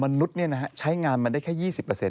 มนุษย์ใช้งานมาได้แค่๒๐